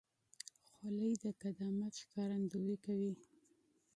خولۍ د قدامت ښکارندویي کوي.